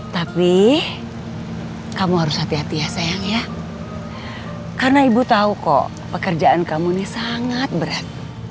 tapi kamu harus hati hati ya sayang ya karena ibu tahu kok pekerjaan kamu ini sangat berat